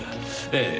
ええ。